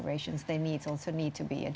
dan itu juga membuat